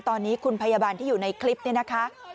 ตอนนี้คุณพยาบาลที่อยู่ในคลิปนี้นะคะ